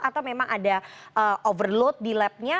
apakah ada overload di labnya